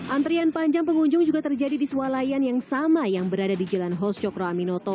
antrian panjang pengunjung juga terjadi di swalayan yang sama yang berada di jelan host cokroaminoto